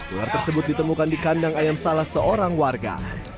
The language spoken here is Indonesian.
ular tersebut ditemukan di kandang ayam salah seorang warga